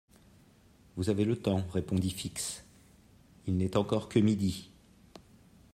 Vous avez le temps, répondit Fix, il n’est encore que midi!